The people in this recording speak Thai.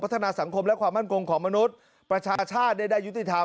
พัฒนาสังคมและความมั่นคงของมนุษย์ประชาชาติได้ยุติธรรม